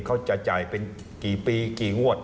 เขาจะจ่ายเป็นกี่ปีกี่งวด